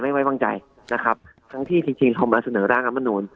ไม่ไว้วางใจทั้งที่จริงทำมาเสนอร่างรัฐมนุน